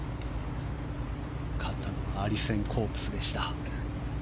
勝ったのはアリセン・コープスでした。